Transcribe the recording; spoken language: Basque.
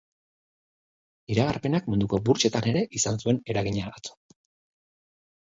Iragarpenak munduko burtsetan ere izan zuen eragina atzo.